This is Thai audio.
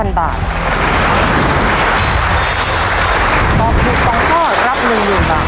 ถ้าตอบถูกสองข้อรับหนึ่งหมื่นบาท